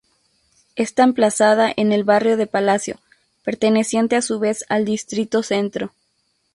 Está emplazada en el barrio de Palacio, perteneciente a su vez al distrito Centro.